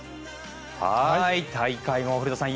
大会も古田さん